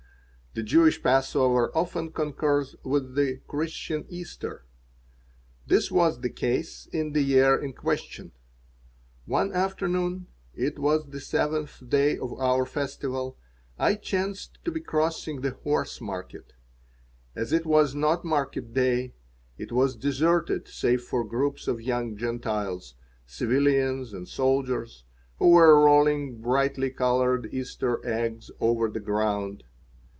The Jewish Passover often concurs with the Christian Easter. This was the case in the year in question. One afternoon it was the seventh day of our festival I chanced to be crossing the Horse market. As it was not market day, it was deserted save for groups of young Gentiles, civilians and soldiers, who were rolling brightly colored Easter eggs over the ground.